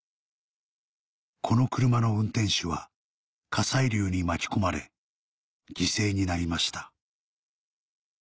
この車の運転手は火砕流に巻き込まれ犠牲になりました